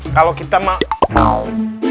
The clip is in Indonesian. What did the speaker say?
kalau kita mau